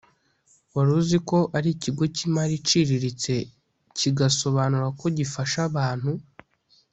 Wari uziko ari ikigo cy’imari iciriritse kigasobanura ko gifasha abantu‽